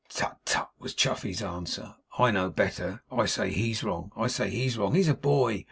'Tut, tut!' was Chuffey's answer. 'I know better. I say HE'S wrong. I say HE'S wrong. He's a boy.